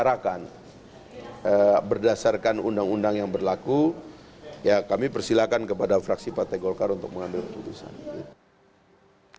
pak nof mengatakan keinginan anggota golkar agar stiano vanto kembali menjadi ketua dpr sepenuhnya wawenang partai perlambang beringin itu